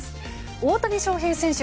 大谷翔平選手